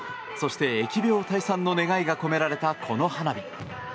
そして疫病退散の願いが込められた、この花火。